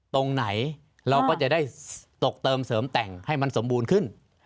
ตรงไหนเราก็จะได้ตกเติมเสริมแต่งให้มันสมบูรณ์ขึ้น